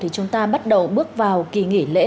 chúng ta bắt đầu bước vào kỳ nghỉ lễ